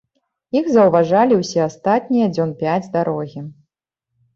Іх заўважалі ўсе астатнія дзён пяць дарогі.